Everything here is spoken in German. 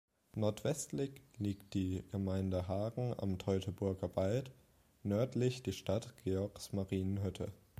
Nordwestlich liegt die Gemeinde Hagen am Teutoburger Wald, nördlich die Stadt Georgsmarienhütte.